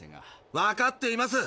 わかっています！